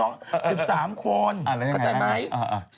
โหแล้วไงค่ะ